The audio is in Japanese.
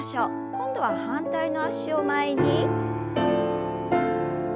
今度は反対の脚を前に。